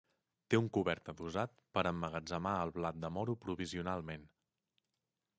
Té un cobert adossat per a emmagatzemar el blat de moro provisionalment.